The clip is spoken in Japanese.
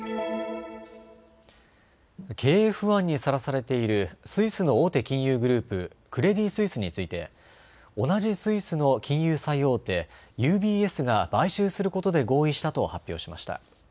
経営不安にさらされているスイスの大手金融グループ、クレディ・スイスについて同じスイスの金融最大手、ＵＢＳが買収することで合意したと発表しました。